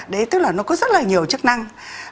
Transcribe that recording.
đấy tức là nó có rất là nhiều chức năng